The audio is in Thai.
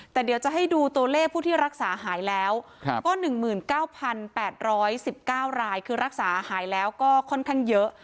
แต่เดี๋ยวจะให้ดูตัวเลขผู้ที่รักษาหายแล้วก็๑๙๘๑๙รายคือรักษาหายแล้วก็ค่อนข้างเยอะ